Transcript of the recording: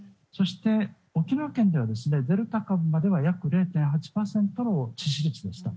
そして、沖縄県ではデルタ株までは約０．８％の致死率。